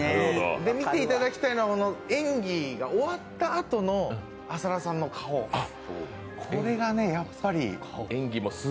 見ていただきたいのは演技が終わったあとの浅田さんの顔、これがね、やっぱり。